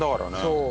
そう。